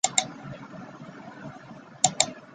雷德温是古德休郡的郡治。